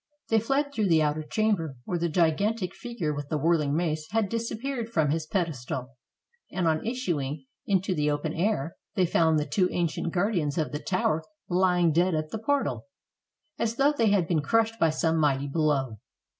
They fled through the outer chamber, where the gigantic fig ure with the whirling mace had disappeared from his pedestal, and on issuing into the open air, they found the two ancient guardians of the tower lying dead at the portal, as though they had been crushed by some mighty blow.